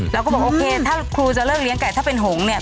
เราก็บอกโอเคถ้าครูจะเลิกเลี้ยไก่ถ้าเป็นหงษ์เนี่ย